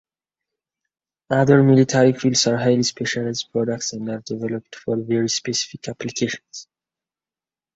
Other military fuels are highly specialized products and are developed for very specific applications.